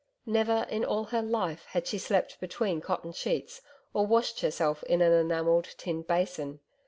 Never in all her life had she slept between cotton sheets or washed herself in an enamelled tin basin.